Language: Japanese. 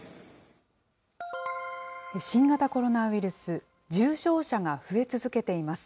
新型コロナウイルス、重症者が増え続けています。